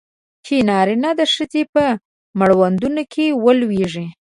چې نارینه د ښځې په مړوندونو کې ولویږي.